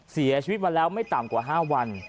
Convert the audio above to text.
เสียชีวิตมาแล้วไม่ต่ำกว่า๕วัน